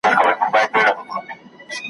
نه یې هیله د آزادو الوتلو `